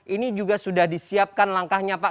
ini juga sudah disiapkan langkahnya pak